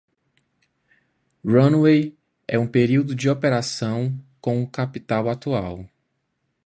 Runway é o período de operação com o capital atual.